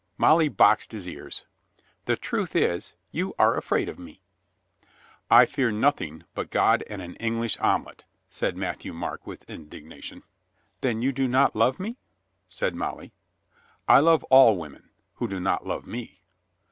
Molly boxed his ears. "The truth is, you are afraid of me." "I fear nothing but God and an English ome lette," said Matthieu Marc with indignation. "Then you do not love me?" said Molly. "I love all women — who do not love me."